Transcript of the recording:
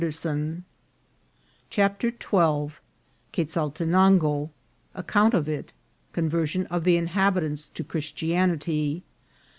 203 CHAPTER XII. Quezaltenango. — Account of it. — Conversion of the Inhabitants to Christianity.